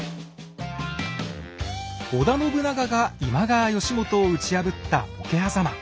織田信長が今川義元を打ち破った